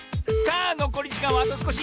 あのこりじかんはあとすこし！